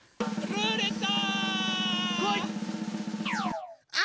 ルーレット！